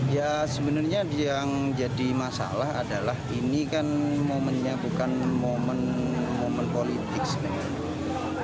ya sebenarnya yang jadi masalah adalah ini kan momennya bukan momen momen politik sebenarnya